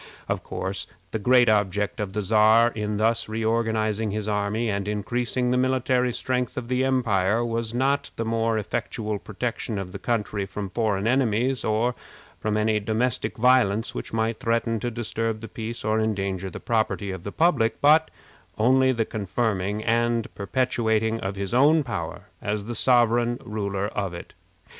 Of course, the great object of the Czar in thus reorganizing his army and increasing the military strength of the empire was not the more effectual protection of the country from foreign enemies, or from any domestic violence which might threaten to disturb the peace or endanger the property of the public, but only the confirming and perpetuating his own power as the sovereign ruler of it.